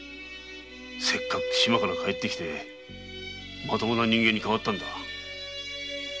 せっかく島から帰ってきてまともな人間に変わったんだ。